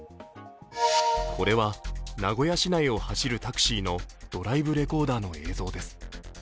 これは名古屋市内を走るタクシーのドライブレコーダーの映像です。